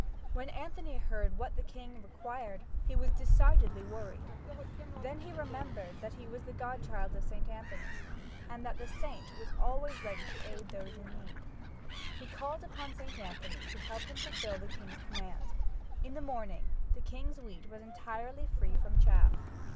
When Anthony heard what the king required he was decidedly worried. Then he remembered that he was the godchild of St. Anthony and that the saint was always ready to aid those in need. He called upon St. Anthony to help him fulfill the king's command. In the morning the king's wheat was entirely free from chaff.